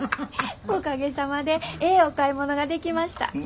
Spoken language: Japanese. おかげさまでええお買い物ができました。